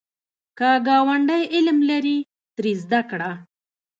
که ګاونډی علم لري، ترې زده کړه